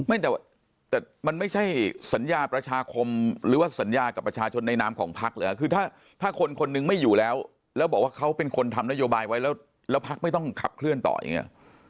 แต่มันไม่ใช่สัญญาประชาคมหรือว่าสัญญากับประชาชนในนามของพักเหรอคือถ้าคนคนนึงไม่อยู่แล้วแล้วบอกว่าเขาเป็นคนทำนโยบายไว้แล้วแล้วพักไม่ต้องขับเคลื่อนต่ออย่างนี้